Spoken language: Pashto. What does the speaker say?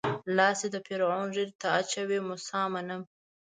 لاس چې د فرعون ږيرې ته اچوي موسی منم.